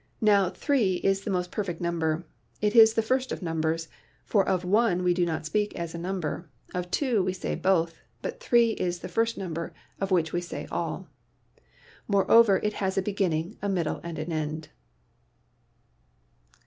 Now, three is the most perfect number — it is the first of numbers, for of one we do not speak as a number, of two we say both, but three is the first number of which we say all. Moreover, it has a beginning, a middle and an end.'